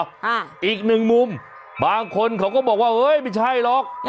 อ่าอีกหนึ่งมุมบางคนเขาก็บอกว่าเฮ้ยไม่ใช่หรอก